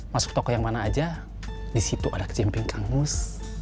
masuk toko yang mana aja disitu ada ke cimpring kang mus